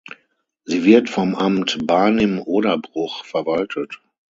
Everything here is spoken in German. Sie wird vom Amt Barnim-Oderbruch verwaltet.